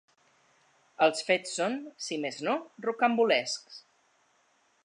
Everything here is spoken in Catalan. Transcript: Els fets són, si més no, rocambolescs.